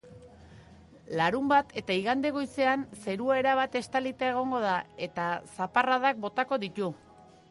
Larunbat eta igande goizean zerua erabat estalita egongo da eta zaparradak botako ditu.